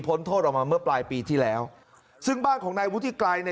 โทษออกมาเมื่อปลายปีที่แล้วซึ่งบ้านของนายวุฒิไกรเนี่ย